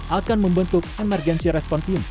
akan membentuk emergency response team